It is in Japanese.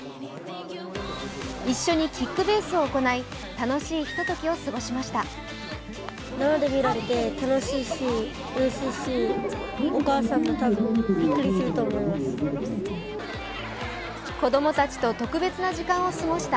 一緒にキックベースを行い、楽しいひとときを過ごしました。